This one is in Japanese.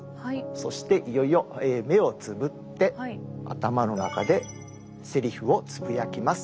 そしていよいよ目をつぶって頭の中でセリフをつぶやきます。